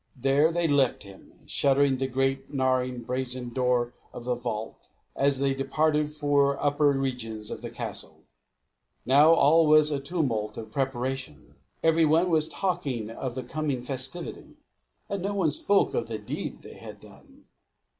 There they left him, shutting the great gnarring brazen door of the vault, as they departed for the upper regions of the castle. Now all was in a tumult of preparation. Every one was talking of the coming festivity; but no one spoke of the deed they had done.